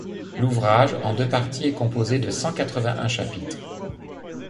L'ouvrage, en deux parties, est composé de cent quatre-vingt-un chapitres.